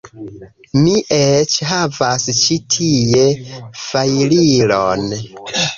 Mi eĉ havas ĉi tie fajrilon